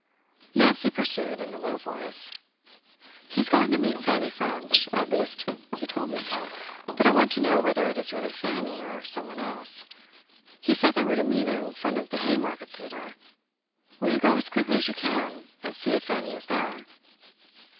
Nancy pursued in a low voice. 'He's gone to meet Fanny French. At least, he told me so; but I want to know whether it is really Fanny, or some one else. He said they were to meet in front of the Haymarket Theatre. Will you go as quickly as you can, and see if Fanny is there?